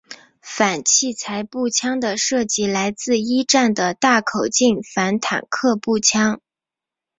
反器材步枪的设计来自一战的大口径反坦克步枪。